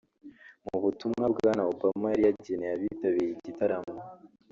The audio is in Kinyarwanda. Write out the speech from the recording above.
Mu butumwa Bwana Obama yari yageneye abitabiriye igitaramo